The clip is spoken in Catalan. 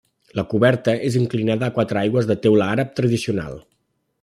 La coberta és inclinada a quatre aigües de teula àrab tradicional.